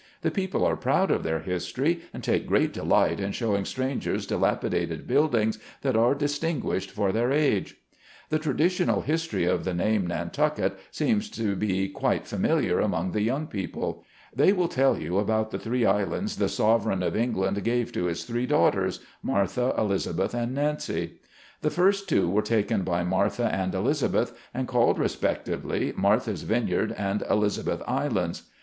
The people are proud of their history, and take great delight in showing strangers dilapidated buildings, that are distin guished for their age. The traditional history of the name Nantucket, seems to be quite familiar among the young people. They will tell you about the three islands the sovereign of England gave to his three daughters, Martha, Elizabeth and Nancy. The first two were taken by Martha and Elizabeth, and called respectively, Martha's Vineyard, and Eliza beth Islands.